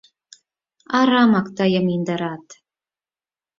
Арамак тыйым индырат...